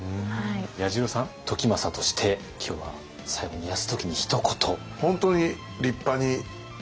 彌十郎さん時政として今日は最後に泰時にひと言。